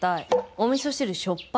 お味噌汁しょっぱい。